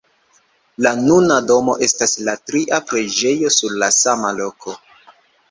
La nuna domo estas la tria preĝejo sur sama loko.